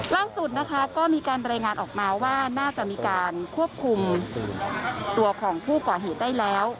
ล่าสุดนะคะก็มีการรายงานออกมาว่าน่าจะมีการควบคุมตัวของผู้ก่อเหตุได้แล้ว